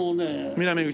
南口？